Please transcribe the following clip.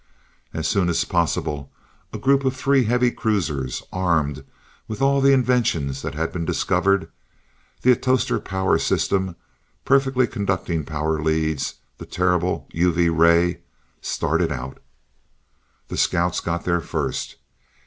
As soon as possible, a group of three heavy cruisers, armed with all the inventions that had been discovered, the atostor power system, perfectly conducting power leads, the terrible UV ray, started out. The scouts got there first.